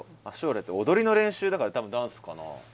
「足折れて踊りの練習」だから多分ダンスかな。